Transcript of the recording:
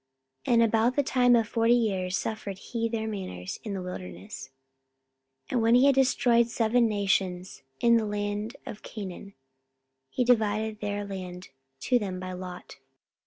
44:013:018 And about the time of forty years suffered he their manners in the wilderness. 44:013:019 And when he had destroyed seven nations in the land of Chanaan, he divided their land to them by lot.